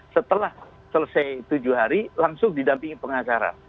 setelah selesai tujuh hari langsung didampingi pengacara